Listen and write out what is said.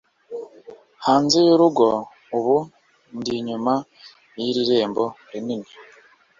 hanze y'urugo, ubu ndi inyuma yiri rembo rinini